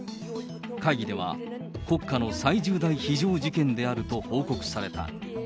会議では、国家の最重大非常事件であると報告された。